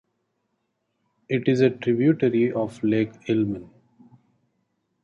It is a tributary of Lake Ilmen.